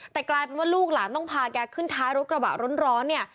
แต่กลายเป็นว่าลูกหลานต้องพาแกขึ้นท้ายรถกระบะร้อนเนี่ย